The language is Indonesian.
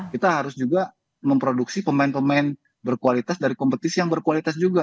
kita harus juga memproduksi pemain pemain berkualitas dari kompetisi yang berkualitas juga